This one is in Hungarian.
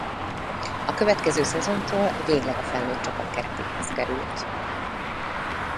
A következő szezontól végleg a felnőtt csapat keretéhez került.